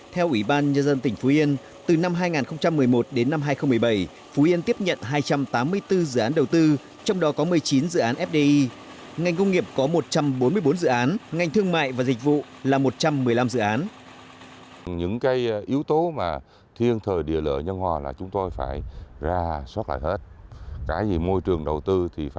theo ủy ban nhân dân tỉnh phú yên từ năm hai nghìn một mươi một đến năm hai nghìn một mươi bảy phú yên tiếp nhận hai trăm tám mươi bốn dự án đầu tư